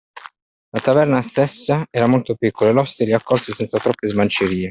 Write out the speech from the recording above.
La taverna stessa era molto piccola, e l’oste li accolse senza troppe smancerie.